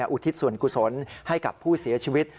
อุทิศส่วนกุศลให้กับผู้เสียชีวิต